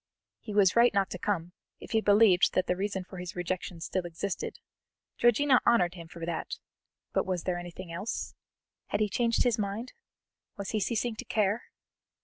He was right not to come, if he believed that the reason for his rejection still existed; Georgiana honoured him for that; but was there anything else? Had he changed his mind? Was he ceasing to care?